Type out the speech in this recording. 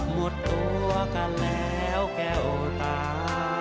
หมดตัวกันแล้วแก้วตา